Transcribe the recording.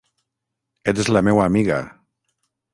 Ets la meua amiga...